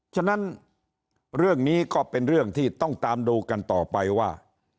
ฉะนั้นเรื่องนี้ก็เป็นเรื่องที่ต้องตามดูกันต่อไปว่า